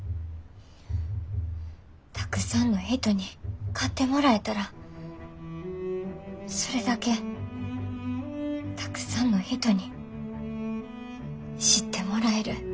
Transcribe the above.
たくさんの人に買ってもらえたらそれだけたくさんの人に知ってもらえる。